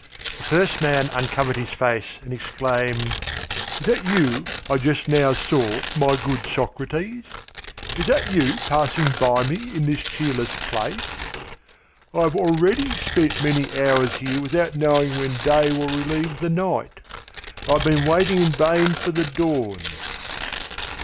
The first man uncovered his face and exclaimed: "Is that you I just now saw, my good Socrates? Is that you passing by me in this cheerless place? I have already spent many hours here without knowing when day will relieve the night. I have been waiting in vain for the dawn."